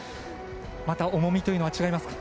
また重みというのは、違いますか？